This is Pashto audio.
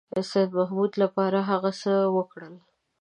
سیدمحمود لپاره هغه څه وکړل.